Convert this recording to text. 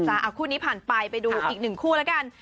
นะจ๊ะคู่นี้ผ่านไปไปดูอีกหนึ่งคู่ในการ